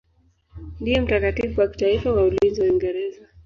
Ndiye mtakatifu wa kitaifa wa ulinzi wa Uingereza.